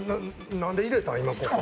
何で入れたん？